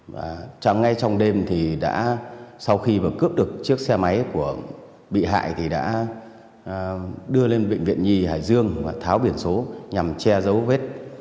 và ngay trong đêm thì đã sau khi cướp được chiếc xe máy của bị hại thì đã đưa lên bệnh viện nhi hải dương và tháo biển số nhằm che giấu vết